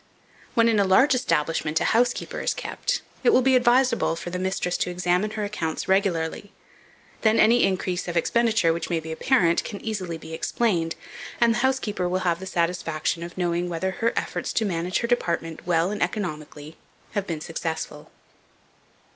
When, in a large establishment, a housekeeper is kept, it will be advisable for the mistress to examine her accounts regularly. Then any increase of expenditure which may be apparent, can easily be explained, and the housekeeper will have the satisfaction of knowing whether her efforts to manage her department well and economically, have been successful.